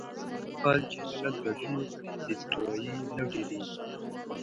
هغه مهال چې خلک ګډون وکړي، بې پروایي نه ډېرېږي.